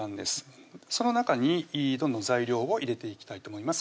その中にどんどん材料を入れていきたいと思います